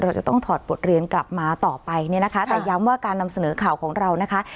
เราจะต้องถอดบทเรียนกลับมาต่อไปเนี่ยนะคะแต่ย้ำว่าการนำเสนอข่าวของเรานะคะ